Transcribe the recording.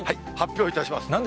発表いたします。